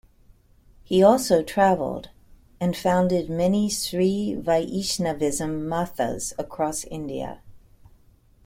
He also travelled and founded many Sri Vaishnavism "mathas" across India.